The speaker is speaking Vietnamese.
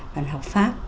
văn học pháp